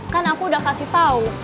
kan aku udah kasih tau